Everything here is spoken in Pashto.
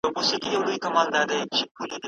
که زده کړه له اړتیا سره برابره وي، وخت ضایع نه کېږي.